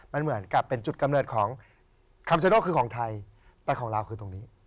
มันเหมือนกับเป็นจุดกำเนิดของคำเซโน่คือของไทยแต่ของลาวคือตรงนี้